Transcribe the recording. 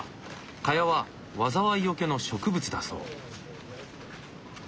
茅は災いよけの植物だそう。